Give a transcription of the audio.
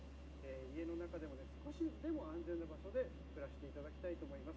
家の中でも少しでも安全な場所で暮らしていただきたいと思います。